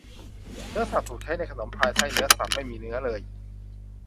เนื้อสับถูกใช้ในขนมพายไส้เนื้อสับไม่มีเนื้อเลย